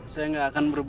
saya gak akan berbunuh